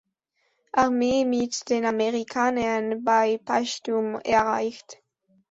Armee mit den Amerikanern bei Paestum erreicht.